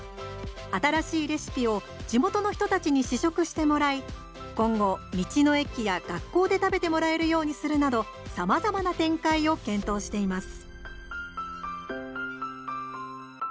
新しいレシピを地元の人たちに試食してもらい今後、道の駅や学校で食べてもらえるようにするなどさまざまな展開を検討しています。